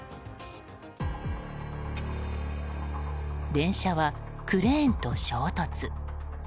電車はクレーンと衝突。